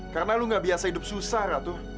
karena lo nggak biasa hidup susah ratu